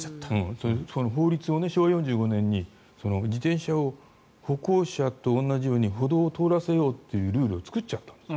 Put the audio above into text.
法律を昭和４５年に自転車を歩行者と同じように歩道を通らせようというルールを作っちゃったんです。